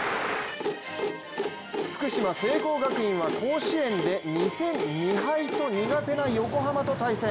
福島・聖光学院は甲子園で２戦２敗と苦手な横浜と対戦。